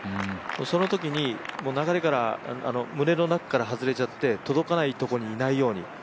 そのときに流れから群れの中から外れちゃって届かないところにいないように。